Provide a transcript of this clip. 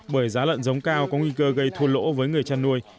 bởi giá lợn giống cao có nguy cơ gây thua lỗ với người chăn nuôi